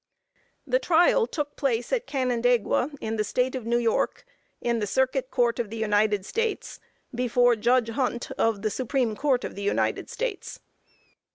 The trial took place at Canandaigua, in the State of New York, in the Circuit Court of the United States, before Judge Hunt, of the Supreme Court of the United States.